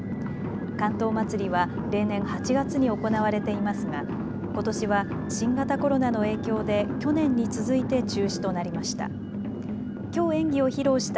竿燈まつりは例年８月に行われていますがことしは新型コロナの影響で去年に続いて中止となりました。